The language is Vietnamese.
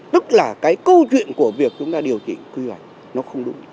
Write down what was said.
tức là cái câu chuyện của việc chúng ta điều chỉnh quy hoạch nó không đúng